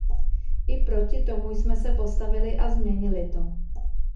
I proti tomu jsme se postavili a změnili to.